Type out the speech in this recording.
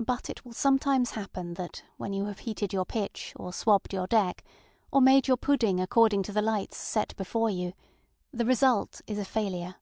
ŌĆØ But it will sometimes happen that when you have heated your pitch, or swabbed your deck, or made your pudding according to the lights set before you, the result is a failure.